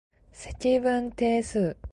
積分定数